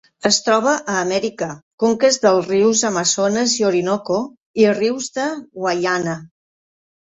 Es troba a Amèrica: conques dels rius Amazones i Orinoco, i rius de Guaiana.